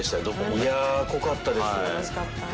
いや濃かったです。